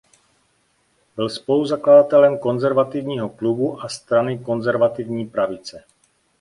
Byl spoluzakladatelem Konzervativního klubu a Strany konzervativní pravice.